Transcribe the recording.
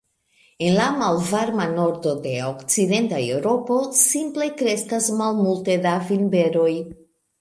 En la malvarma nordo de okcidenta Eŭropo simple kreskas malmulte da vinberoj.